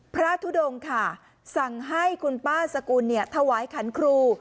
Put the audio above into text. ทุดงค่ะสั่งให้คุณป้าสกุลถวายขันครู